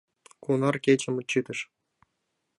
— Кунар кечым чытыш?